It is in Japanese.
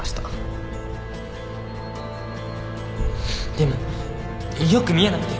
でもよく見えなくて。